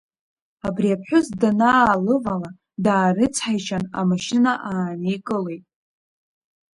Абри аԥҳәыс данаалывала, даарыцҳаишьан амашьына ааникылеит.